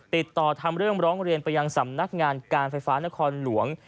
ติดต่อทำเรื่องร้องเรียนไปยังสำนักงานการไฟฟ้านครหลวง